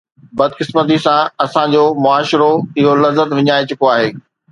بدقسمتيءَ سان اسان جو معاشرو اهو لذت وڃائي چڪو آهي.